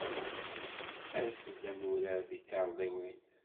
As-d ad nurar tikarḍiwin.